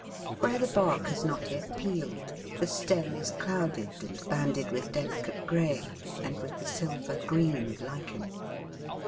Where the bark has not yet peeled, the stem is clouded and banded with delicate grey, and with the silver green of lichen.